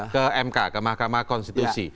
ke mk ke mahkamah konstitusi